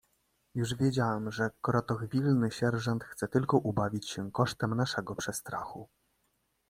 "Już wiedziałem, że krotochwilny sierżant chce tylko ubawić się kosztem naszego przestrachu."